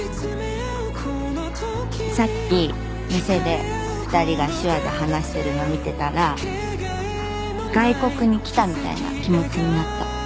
さっき店で２人が手話で話してるのを見てたら外国に来たみたいな気持ちになった。